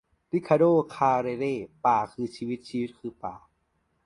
ริคาร์โด คาร์เรเร - "ป่าคือชีวิต ชีวิตคือป่า"